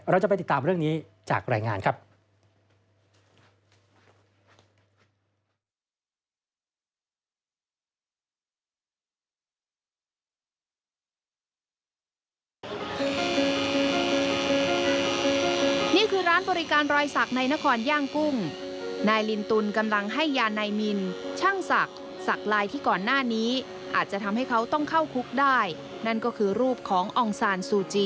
เราจะไปติดตามเรื่องนี้จากรายงานครับ